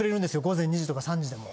午前２時とか３時でも。